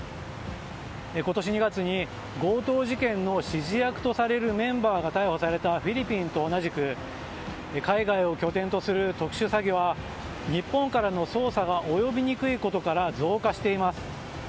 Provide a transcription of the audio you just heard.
今年２月に強盗事件の指示役とされるメンバーが逮捕されたフィリピンと同じく海外を拠点とする特殊詐欺は日本からの捜査が及びにくいことから増加しています。